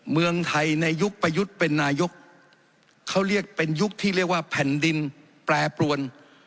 เมืองไทยในยุคประยุทธ์เป็นนายกเขาเรียกเป็นยุคที่เรียกว่าแผ่นดินแปรปรวน